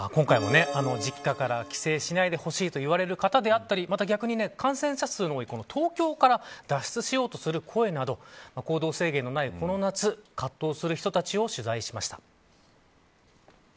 今回も、実家から帰省しないでほしいと言われる方だったりまた逆に感染者数の多い東京から脱出しようとする声など行動制限のないこの夏葛藤する人たちを取材しました。